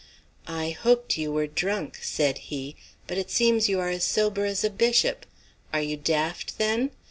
"I hoped you were drunk," said he. "But it seems you are as sober as a bishop. Are you daft, then?